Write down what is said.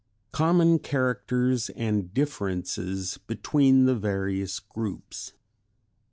COMMON CHARACTERS AND DIFFERENCES BETWEEN THE VARIOUS GROUPS.